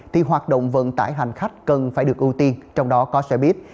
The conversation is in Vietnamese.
thì hoạt động vận tải hành khách cần phải được ưu tiên trong đó có sẽ biết